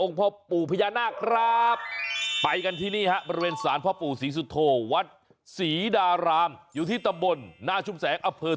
ก็มันใกล้แล้วปิ่มจะลดอยู่แล้วจัง